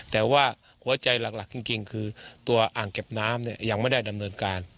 แต่ว่าหัวใจหลักจริงคือตัวอ่างเก็บน้ำยังไม่ได้ดำเนินการ